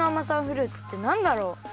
フルーツってなんだろう？